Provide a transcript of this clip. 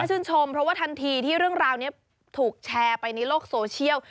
ชื่นชมเพราะว่าทันทีที่เรื่องราวนี้ถูกแชร์ไปในโลกโซเชียล